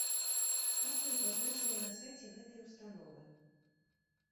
Так ён пазначаны і на сайце гэтай установы.